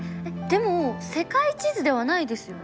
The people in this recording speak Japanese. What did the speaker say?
でも世界地図ではないですよね？